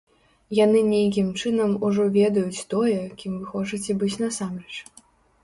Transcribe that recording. Яны нейкім чынам ужо ведаюць тое, кім вы хочаце быць насамрэч.